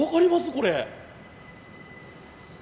これ。